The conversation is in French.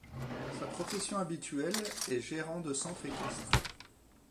Sa profession habituelle est gérant de centre équestre.